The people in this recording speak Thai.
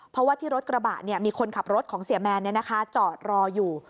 เพราะว่าที่รถกระบะมีคนขับรถของเสียแมนจอดรออยู่